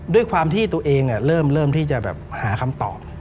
ด้วยความที่ตัวเองเริ่มที่จะแบบหาคำตอบ